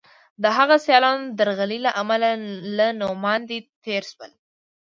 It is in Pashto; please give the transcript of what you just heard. د هغه سیالانو د درغلۍ له امله له نوماندۍ تېر شول.